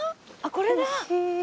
これだ！